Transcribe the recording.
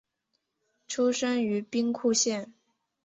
出身于兵库县。